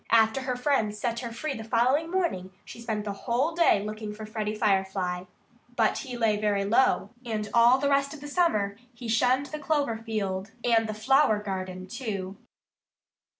After her friends set her free the following morning she spent the whole day looking for Freddie Firefly. But he lay very low. And all the rest of the summer he shunned the clover field and the flower garden, too.